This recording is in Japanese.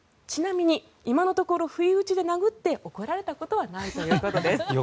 ちなみに今のところ不意打ちで殴って怒られたことはないということです。